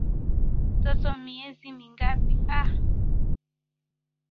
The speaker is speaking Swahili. Mtoto nmiezi mingapi? Ah